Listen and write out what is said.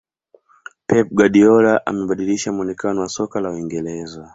pep guardiola amebadilisha muonekano wa soka la uingereza